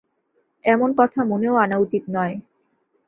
এমন কথা মনেও আনা উচিত নয়।